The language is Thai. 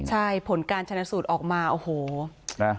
ใช่ผลการชนะสูตรออกมาโอ้โหนะ